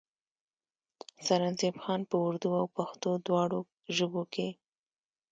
سرنزېب خان پۀ اردو او پښتو دواړو ژبو کښې